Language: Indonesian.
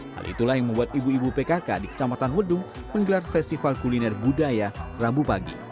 hal itulah yang membuat ibu ibu pkk di kecamatan wedung menggelar festival kuliner budaya rabu pagi